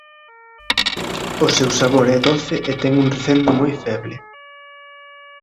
O seu sabor é doce e ten un recendo moi feble.